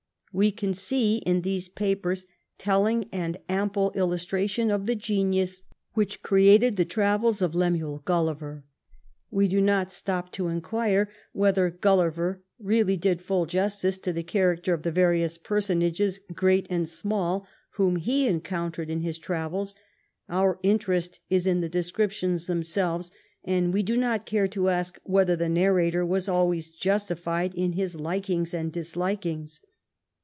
We can see in these papers telling and ample illustration of the genius which created the travels of Lemuel Gulliver. We do not stop to inquire whether Gulliver really did full justice to the character of the various personages, great and small, whom he encountered in his travels; our interest is in the descriptions themselves, and we do not care to ask whether the narrator was always justified in his likings and dislikings.